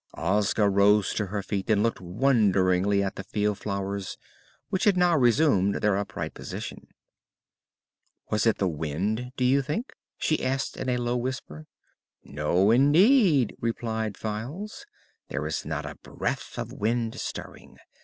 Ozga rose to her feet and looked wonderingly at the field flowers, which had now resumed their upright position. "Was it the wind, do you think?" she asked in a low whisper. "No, indeed," replied Files. "There is not a breath of wind stirring.